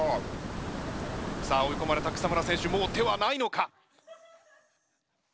さあ追い込まれた草村選手もう手はないのか？